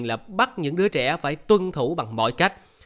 là bắt những đứa trẻ phải tuân thủ bằng mọi cách